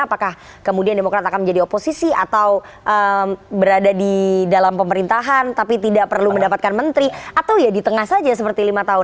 apakah kemudian demokrat akan menjadi oposisi atau berada di dalam pemerintahan tapi tidak perlu mendapatkan menteri atau ya di tengah saja seperti lima tahun